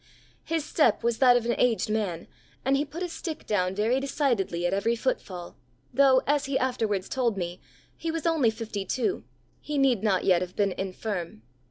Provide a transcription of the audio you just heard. His step was that of an aged man, and he put his stick down very decidedly at every foot fall; though, as he afterwards told me, he was only fifty two, he need not yet have been infirm."